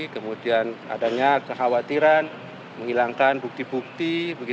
kemudian adanya kekhawatiran menghilangkan bukti bukti